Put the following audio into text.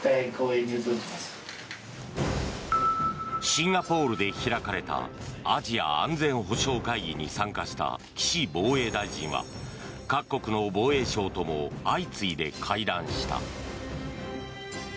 シンガポールで開かれたアジア安全保障会議に参加した岸防衛大臣は各国の防衛相とも相次いで会談した。